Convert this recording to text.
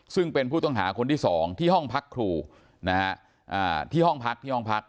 ซึ่งเป็นผู้ต้องหาคนที่๒ที่ห้องพักครูนะฮะที่ห้องพักที่ห้องพัก